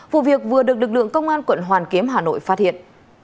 vụ việc vừa được lực lượng công an quận hoàn kiếm hà nội phát hiện